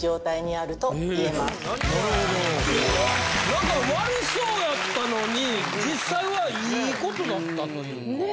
何か悪そうやったのに実際はいいことだったというか。ね？